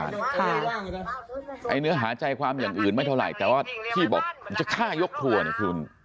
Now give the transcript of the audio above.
ไอ้เนื้อหาใจความอย่างอื่นไม่เท่าไหร่แต่ว่าที่บอกมันจะฆ่ายกครัวเนี่ยคุณ